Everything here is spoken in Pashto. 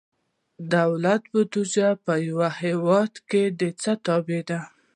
دولت بودیجه په یو هیواد کې د څه تابع ده؟